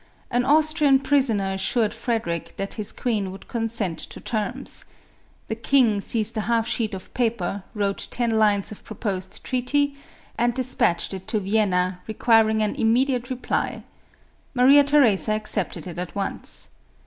An Austrian prisoner assured Fred eric that his queen would consent to terms. The king seized a half sheet of paper, wrote ten lines of proposed treaty, and despatched it to Vienna, requiring an im mediate reply. Maria Theresa accepted it at once.